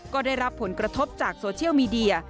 ก็ได้รับผลกระทบจากโซเชียลมีเดีย